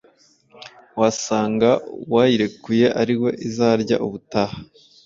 wasanga uwayirekuye ariwe izarya ubutaha